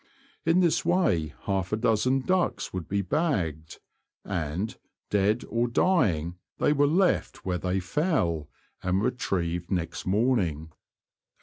In this way half a dozen ducks would be bagged, and, dead or dying, they were left where they fell, and retrieved next morning.